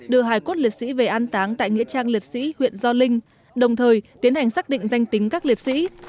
đưa hải cốt liệt sĩ về an táng tại nghĩa trang liệt sĩ huyện gio linh đồng thời tiến hành xác định danh tính các liệt sĩ